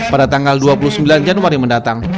pada tanggal dua puluh sembilan januari mendatang